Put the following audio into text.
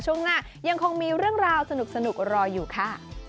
ช่วงหน้ายังคงมีเรื่องราวสนุกรออยู่ค่ะ